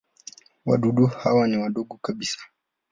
Wadudu hawa ni wadogo kabisa.